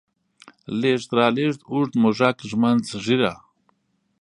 لېږد، رالېږد، اوږد، موږک، ږمنځ، ږيره